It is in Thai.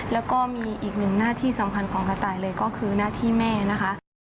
แล้วก็มีอีกหนึ่งหน้าที่สำคัญของกระต่ายเลยก็คือหน้าที่แม่นะคะ